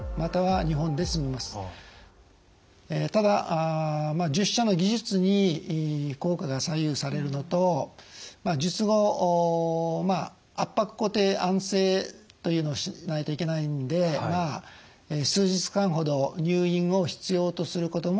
ただ術者の技術に効果が左右されるのと術後圧迫固定安静というのをしないといけないんで数日間ほど入院を必要とすることもあります。